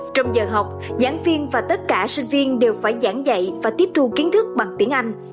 trong giờ học giảng viên và tất cả sinh viên đều phải giảng dạy và tiếp thu kiến thức bằng tiếng anh